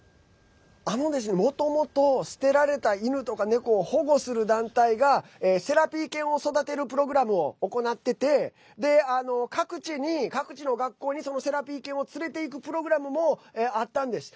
もともと捨てられた犬とか猫を保護する団体がセラピー犬を育てるプログラムを行ってて各地の学校にセラピー犬を連れて行くプログラムもあったんです。